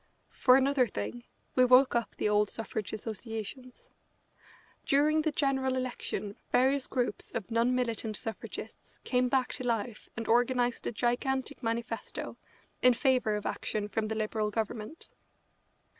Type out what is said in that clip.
For another thing, we woke up the old suffrage associations. During the general election various groups of non militant suffragists came back to life and organised a gigantic manifesto in favour of action from the Liberal Government.